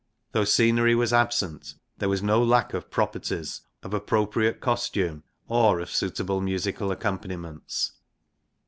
Though scenery was absent, there was no lack of properties, of appropriate r~ costume, or of suitable musical accompaniments.